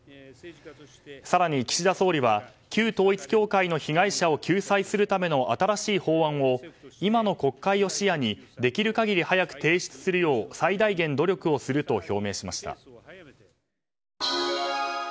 更に、岸田総理は旧統一教会の被害者を救済するための新しい法案を今の国会を視野にできる限り早く提出するよう最大限努力すると表明しました。